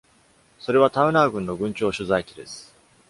それはタウナー郡の郡庁所在地です。